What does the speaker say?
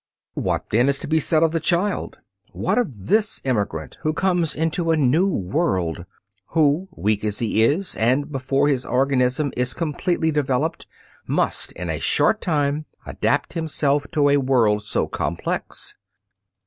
What is to be said then of the child? What of this emigrant who comes into a new world, who, weak as he is and before his organism is completely developed, must in a short time adapt himself to a world so complex?